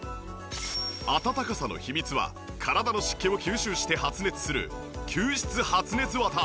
暖かさの秘密は体の湿気を吸収して発熱する吸湿発熱綿。